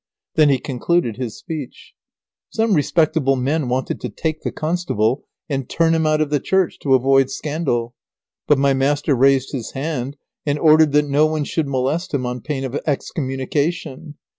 Then he concluded his speech. Some respectable men wanted to take the constable and turn him out of the church to avoid scandal. But my master raised his hand and ordered that no one should molest him on pain of excommunication.